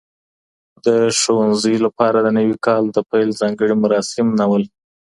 د ښوونځیو لپاره د نوي کال د پیل ځانګړي مراسم نه وو.